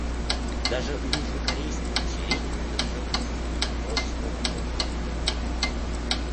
Даже у южнокорейского населения на этот счет существует множество вопросов.